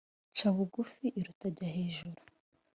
Ca bugufi iruta jya hejuru.(ntukishyire hejuru)